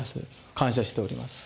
感謝しております。